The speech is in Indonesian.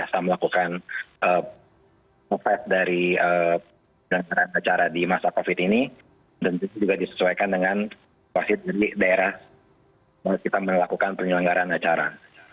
kita melakukan dari penyelenggaraan acara di masa covid ini dan juga disesuaikan dengan situasi dari daerah kita melakukan penyelenggaran acara